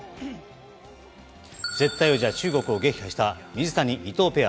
絶対王者・中国を撃破した水谷、伊藤ペア。